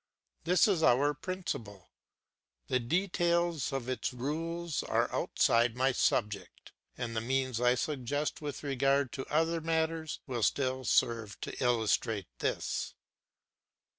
This is our principle; the details of its rules are outside my subject; and the means I suggest with regard to other matters will still serve to illustrate this.